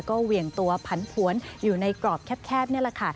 ก็เหวี่ยงตัวผันผวนอยู่ในกรอบแคบนี่แหละค่ะ